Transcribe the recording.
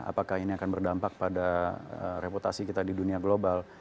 apakah ini akan berdampak pada reputasi kita di dunia global